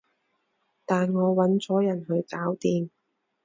但我搵咗人去搞掂